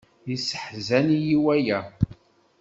Yesseḥzan-iyi waya.